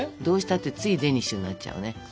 どうしたってついデニッシュになっちゃうね。